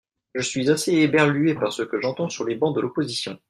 Je suis assez éberluée par ce que j’entends sur les bancs de l’opposition.